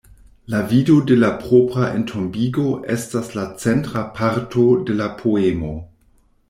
La vido de la propra entombigo, estas la centra parto de la poemo.